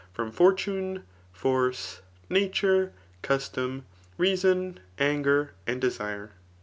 from fortune, force, nature, custom, reason,' anger and desire.